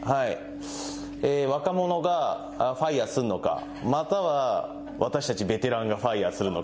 若者がファイアーするのかまたは私たちベテランがファイアーするのか。